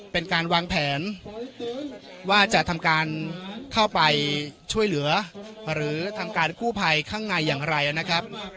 เป็นการวางแผนว่าจะทำการเข้าไปช่วยเหลือหรือทำการกู้ภัยข้างในอย่างไรนะครับ